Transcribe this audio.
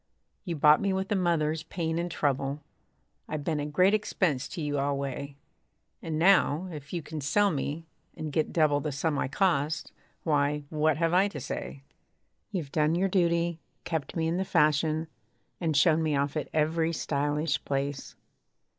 You bought me with a mother's pain and trouble. I've been a great expense to you alway. And now, if you can sell me, and get double The sum I cost why, what have I to say? You've done your duty: kept me in the fashion, And shown me off at every stylish place.